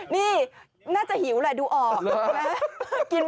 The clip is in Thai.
นี่น่าจะหิวเลยดูออก